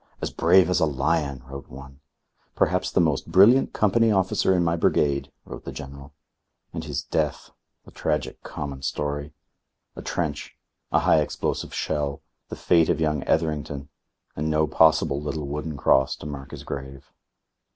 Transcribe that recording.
"As brave as a lion," wrote one. "Perhaps the most brilliant company officer in my brigade," wrote the General. And his death the tragic common story. A trench; a high explosive shell; the fate of young Etherington; and no possible little wooden cross to mark his grave.